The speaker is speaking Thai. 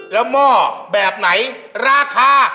แล้วหม้อแบบไหนราคา